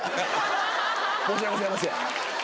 申し訳ございません。